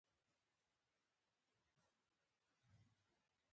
د رایې ورکولو حق هر چا ته شته.